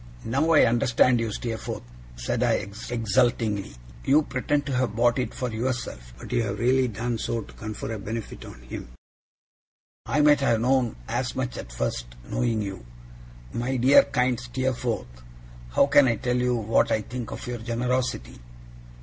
'Now I understand you, Steerforth!' said I, exultingly. 'You pretend to have bought it for yourself, but you have really done so to confer a benefit on him. I might have known as much at first, knowing you. My dear kind Steerforth, how can I tell you what I think of your generosity?